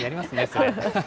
それ。